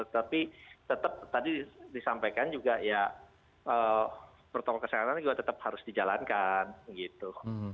tapi tetap tadi disampaikan juga ya protokol kesehatan juga tetap harus dijalankan gitu